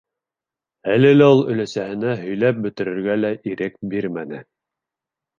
Әле лә ул өләсәһенә һөйләп бөтөргә лә ирек бирмәне: